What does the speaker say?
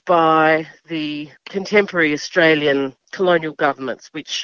pemerintah kolonial australia yang berpengaruh